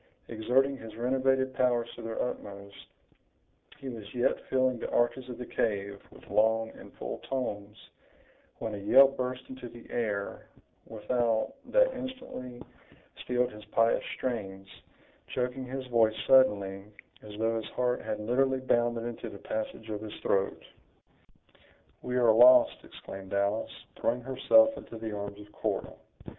Exerting his renovated powers to their utmost, he was yet filling the arches of the cave with long and full tones, when a yell burst into the air without, that instantly stilled his pious strains, choking his voice suddenly, as though his heart had literally bounded into the passage of his throat. "We are lost!" exclaimed Alice, throwing herself into the arms of Cora.